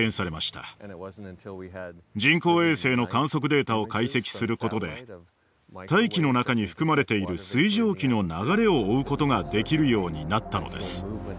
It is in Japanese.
人工衛星の観測データを解析することで大気の中に含まれている水蒸気の流れを追うことができるようになったのです。